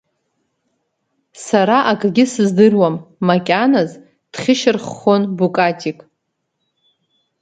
Сара акгьы сыздыруам, макьаназ дхьышьарххон Букатик.